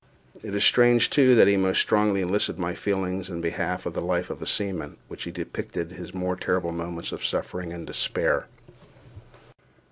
It is strange, too, that he most strongly enlisted my feelings in behalf of the life of a seaman, when he depicted his more terrible moments of suffering and despair.